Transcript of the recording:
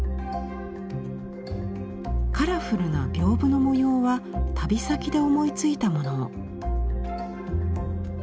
カラフルな屏風の模様は旅先で思いついたもの。